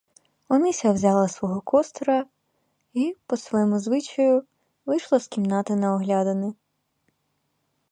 Онися взяла свого костура й, по своєму звичаю, вийшла з кімнати на оглядини.